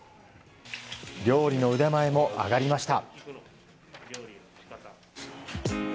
料理の腕前も上がりました。